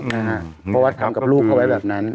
เพราะว่าทำกับลูกเขาไว้แบบนั้น